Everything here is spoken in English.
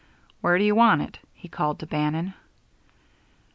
"Where do you want it?" he called to Bannon.